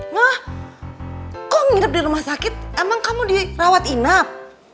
mah kok nginep di rumah sakit emang kamu dirawat inap